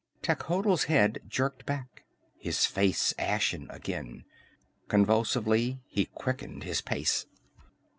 Techotl's head jerked back, his face ashy again. Convulsively he quickened his pace.